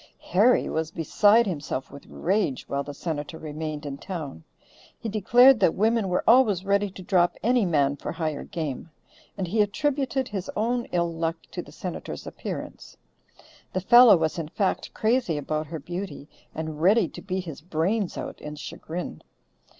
Harry was beside himself with rage while the Senator remained in town; he declared that women were always ready to drop any man for higher game; and he attributed his own ill luck to the Senator's appearance. The fellow was in fact crazy about her beauty and ready to beat his brains out in chagrin.